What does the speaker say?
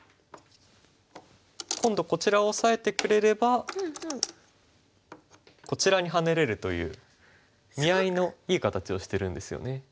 今度こちらをオサえてくれればこちらにハネれるという見合いのいい形をしてるんですよね。